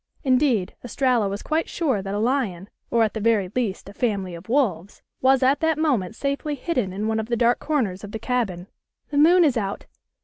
Indeed, Estralla was quite sure that a lion, or at the very least a family of wolves, was at that moment safely hidden in one of the dark corners of the cabin. "The moon is out!